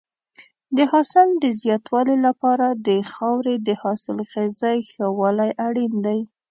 د حاصل د زیاتوالي لپاره د خاورې د حاصلخېزۍ ښه والی اړین دی.